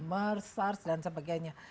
mers sars dan sebagainya